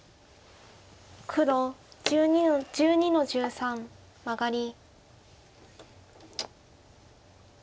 黒１２の十三マガリ。